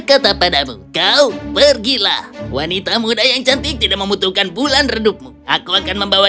kata padamu kau pergilah wanita muda yang cantik tidak membutuhkan bulan redupmu aku akan membawa